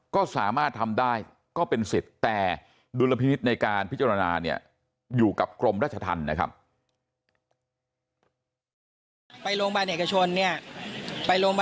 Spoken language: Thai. ก็สามารถทำได้ก็เป็นสิทธิ์แต่ดุลพินิษฐ์ในการพิจารณาเนี่ยอยู่กับกรมราชธรรมนะครับ